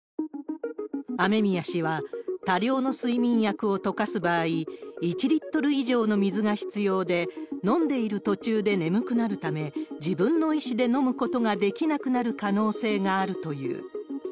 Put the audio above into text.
雨宮氏は、多量の睡眠薬を溶かす場合、１リットル以上の水が必要で、飲んでいる途中で眠くなるため、自分の意思で飲むことができなくなる可能性があるという。